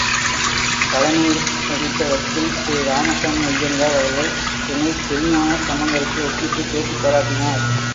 தலைமை வகித்த வக்கீல் திரு ராமசாமி அய்யங்கார் அவர்கள், என்னைத் திருஞான சம்பந்தருக்கு ஒப்பிட்டுப் பேசிப் பாராட்டினார்.